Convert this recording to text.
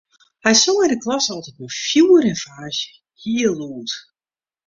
Hy song yn 'e klasse altyd mei fjoer en faasje, hiel lûd.